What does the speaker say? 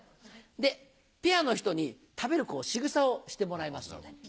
でペアの人に食べるしぐさをしてもらいます。